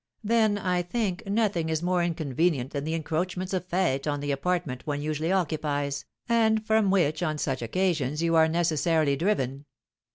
Then, I think, nothing is more inconvenient than the encroachments of fêtes on the apartments one usually occupies, and from which, on such occasions, you are necessarily driven."